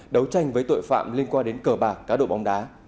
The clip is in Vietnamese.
đấu tranh với tội phạm liên quan đến cờ bạc cá độ bóng đá